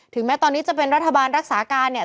แม้ตอนนี้จะเป็นรัฐบาลรักษาการเนี่ย